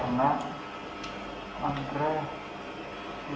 biasanya kak toto ngajarin andre gimana